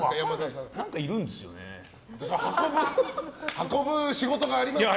運ぶ仕事がありますから。